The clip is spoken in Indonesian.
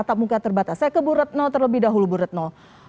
tatap muka terbatas saya ke bu retno terlebih dahulu bu retno